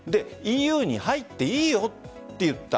ＥＵに入っていいよと言った。